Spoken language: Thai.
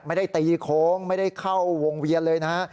ไม่ได้ตีโค้งไม่ได้เข้าวงเวียนเลยนะฮะ